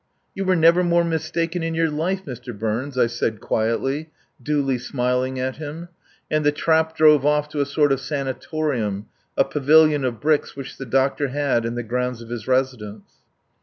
"You were never more mistaken in your life, Mr. Burns," I said quietly, duly smiling at him; and the trap drove off to a sort of sanatorium, a pavilion of bricks which the doctor had in the grounds of his residence.